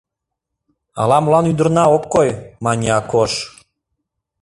— Ала-молан ӱдырна ок кой, — мане Акош.